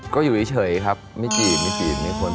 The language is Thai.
ก็อยู่นี่เฉยครับไม่จีบไม่จีบไม่ควร